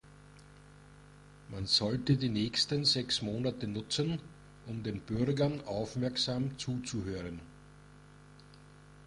Man sollte die nächsten sechs Monate nutzen, um den Bürgern aufmerksam zuzuhören.